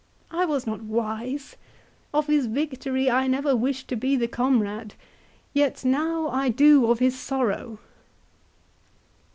I was not wise. Of his victory I never wished to be the comrade, yet now I do of his sorrow."